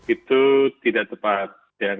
itu tidak tepat